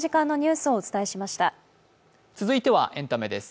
続いてはエンタメです。